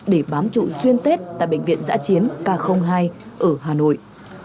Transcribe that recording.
để bám trụ xuyên tết tại bệnh viện giã chiến k hai ở hà nội